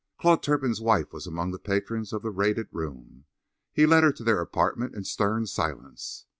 Claude Turpin's wife was among the patrons of the raided room. He led her to their apartment in stern silence.